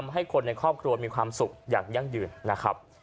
ให้คนในครอบครัวมีความสุขอย่างยั่งยืนนะครับ